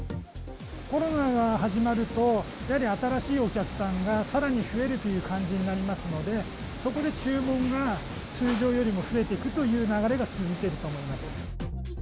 コロナが始まると、やはり新しいお客さんがさらに増えるという感じになりますので、そこで注文が通常よりも増えていくという流れが続いていると思います。